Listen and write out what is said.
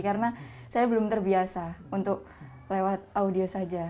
karena saya belum terbiasa untuk lewat audio saja